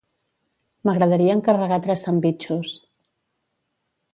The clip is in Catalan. M'agradaria encarregar tres sandvitxos.